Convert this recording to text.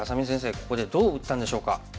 ここでどう打ったんでしょうか？